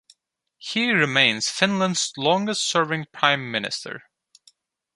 He remains Finland's longest-serving prime minister.